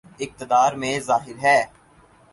اقتدار میں ظاہر ہے۔